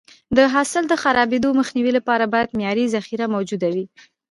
د حاصل د خرابېدو مخنیوي لپاره باید معیاري ذخیره موجوده وي.